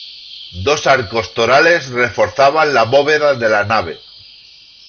Dos arcos torales reforzaban la bóveda de la nave.